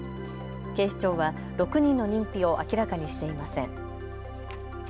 警視庁は６人の認否を明らかにしていません。